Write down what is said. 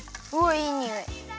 いいにおい。